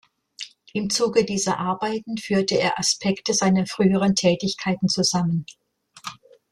Im Zuge dieser Arbeiten führte er Aspekte seiner früheren Tätigkeiten zusammen.